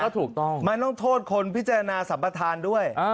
แล้วถูกต้องมันต้องโทษคนพิจารณาสัมปทานด้วย